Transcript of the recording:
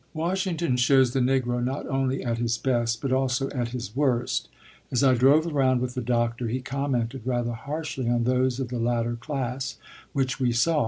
Washington shows the Negro not only at his best, but also at his worst. As I drove around with the doctor, he commented rather harshly on those of the latter class which we saw.